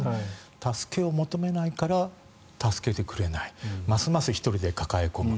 助けを求めないから助けてくれないますます１人で抱え込む。